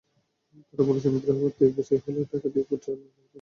তাঁরা বলেছেন, বিদ্রোহী প্রার্থী বেশি হলে টাকা দিয়ে ভোট কেনার প্রবণতা বাড়বে।